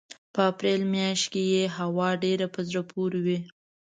په اپرېل مياشت کې یې هوا ډېره په زړه پورې وي.